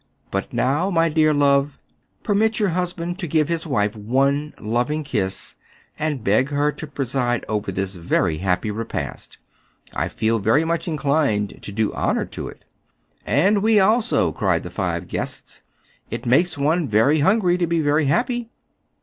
" But now, my dear love, permit your husband to give his wife one loving kiss, and beg her to pre side over this very happy repast. I feel very much inclined to do honor to it." " And we also !" cried the five guests. " It makes one very hungry to be very happy."